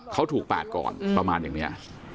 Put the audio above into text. เขาถูกปาดก่อนประมาณอย่างนี้